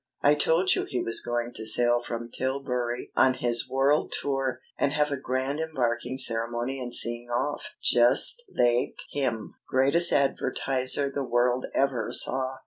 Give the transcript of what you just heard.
"I told you he was going to sail from Tilbury on his world tour, and have a grand embarking ceremony and seeing off! Just laike him! Greatest advertiser the world ever saw!